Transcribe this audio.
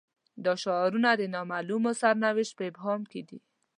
دا شعارونه د نا معلوم سرنوشت په ابهام کې دي.